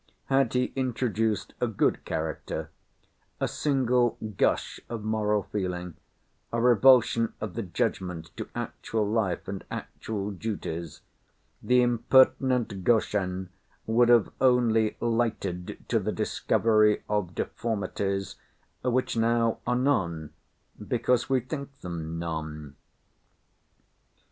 Had he introduced a good character, a single gush of moral feeling, a revulsion of the judgment to actual life and actual duties, the impertinent Goshen would have only lighted to the discovery of deformities, which now are none, because we think them none.